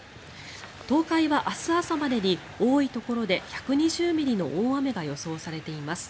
東海は明日朝までに多いところで１２０ミリの大雨が予想されています。